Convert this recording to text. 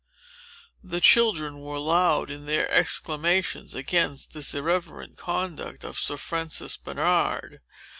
The children were loud in their exclamations against this irreverent conduct of Sir Francis Bernard.